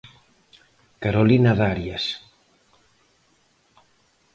Carolina Darias.